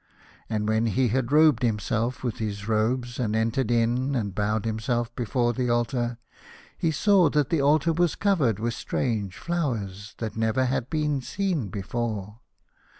And when he had robed himself with his robes, and entered in and bowed himself before the altar, he saw that the altar was covered with strange flowers that never had he seen before.